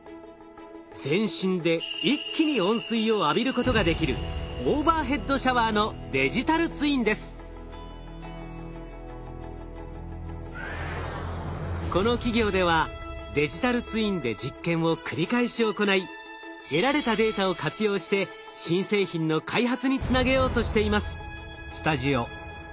全身で一気に温水を浴びることができるこの企業ではデジタルツインで実験を繰り返し行い得られたデータを活用して新製品の開発につなげようとしています。